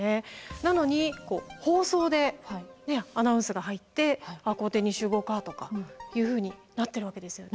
なのに放送でアナウンスが入って校庭に集合かとかいうふうになってるわけですよね。